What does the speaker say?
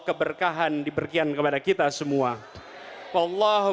keberkahan diberkian kepada kita semua wallahububuhallahu